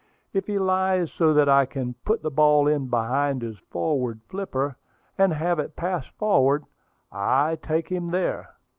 If he lies so that I can put the ball in behind his forward flipper, and have it pass forward, I take him there.